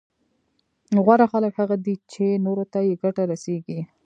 غوره خلک هغه دي چي نورو ته يې ګټه رسېږي